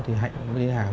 thì hạnh đi lấy hàng